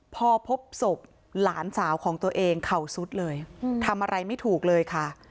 พอพบศพหลานสาวของตัวเองเข่าสุดเลยทำอะไรไม่ถูกเลยค่ะ